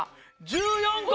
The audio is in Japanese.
１４個！